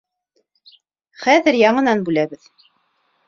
Хәҙер яңынан бүләбеҙ.